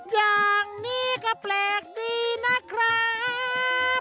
อย่างนี้ก็แปลกดีนะครับ